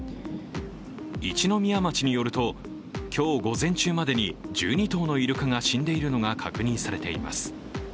一宮町によると、今日午前中までに１２頭のイルカが死んでいるのが確認されています。